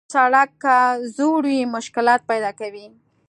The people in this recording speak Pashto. سړک که زوړ وي، مشکلات پیدا کوي.